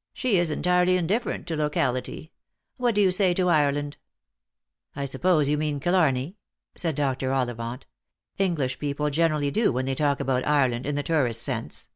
" She is entirely indifferent to locality. What do you say co Ireland?" " I suppose you mean Killarney ?" said Dr. Ollivant. " English people generally do when they talk about Ireland in the tourist's sense."